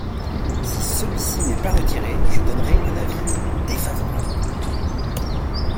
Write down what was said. Si celui-ci n’est pas retiré, je donnerai un avis défavorable.